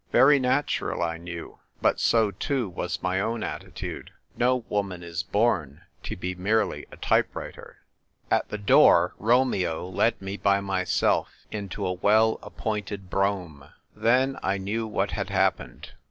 Very natural, I knew ; but so too was my own attitude. No woman is born to be merely a type writer. At the door Romeo led me by myself into a well appointed brougham. Then I knew what had happened.